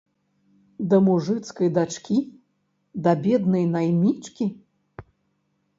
Да мужыцкай дачкі, да беднай наймічкі?